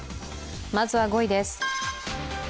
まずは５位です。